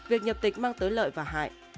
việc nhập tịch mang tới lợi và hại